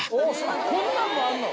こんなんもあんの？